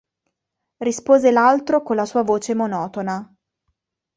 Rispose l'altro con la sua voce monotona.